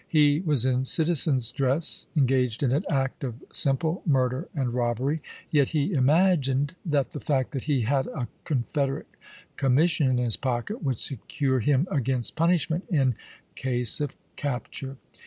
He was in citizen's dress, engaged in an act of simple murder and robbery, yet he imagined that the fact that he had a Con federate commission in his pocket would secure him against punishment in case of capture.